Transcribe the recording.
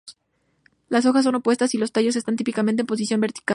Las hojas son opuestas y los tallos están típicamente en posición vertical.